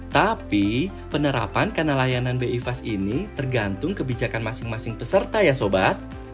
tapi penerapan kanal layanan bi fast ini tergantung kebijakan masing masing peserta ya sobat